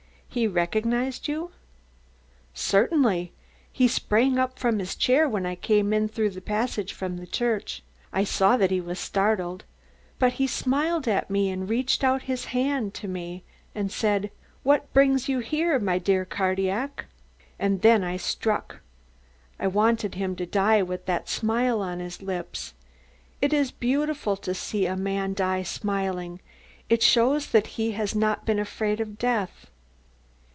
"He recognised you? "Certainly. He sprang up from his chair when I came in through the passage from the church. I saw that he was startled, but he smiled at me and reached out his hand to me and said: 'What brings you here, my dear Cardillac?' And then I struck. I wanted him to die with that smile on his lips. It is beautiful to see a man die smiling, it shows that he has not been afraid of death.